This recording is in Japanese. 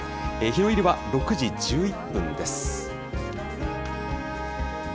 日の入りは６時１１分です。